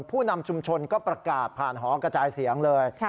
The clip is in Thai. ผู้นำชุมชนก็ประกาศผ่านหอกระจายเสียงเลย